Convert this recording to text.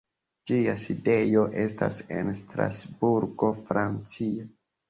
Ĝia sidejo estas en Strasburgo, Francio.